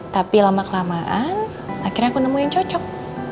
tapi lama kelamaan akhirnya aku nemu yang cocok